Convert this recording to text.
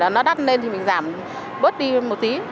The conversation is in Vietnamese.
nó đắt lên thì mình giảm bớt đi một tí